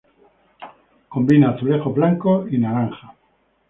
Combina azulejos blancos y naranja.